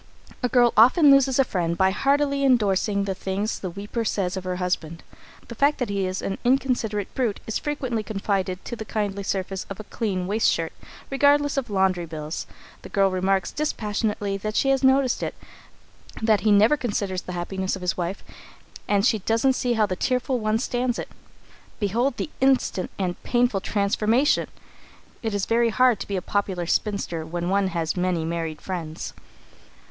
A girl often loses a friend by heartily endorsing the things the weeper says of her husband. The fact that he is an inconsiderate brute is frequently confided to the kindly surface of a clean shirt waist, regardless of laundry bills. The girl remarks dispassionately that she has noticed it; that he never considers the happiness of his wife, and she doesn't see how the tearful one stands it. Behold the instant and painful transformation! It is very hard to be a popular spinster when one has many married friends.